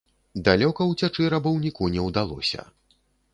Далёка ўцячы рабаўніку не ўдалося.